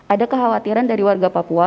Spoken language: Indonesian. ada kekhawatiran dari warga papua